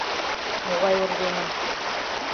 — Могай оръеҥым?